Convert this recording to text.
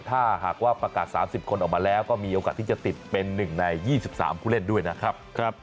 ถ้าหากว่าประกาศ๓๐คนออกมาแล้วก็มีโอกาสที่จะติดเป็น๑ใน๒๓ผู้เล่นด้วยนะครับ